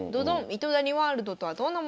「糸谷ワールド」とはどんなものなのか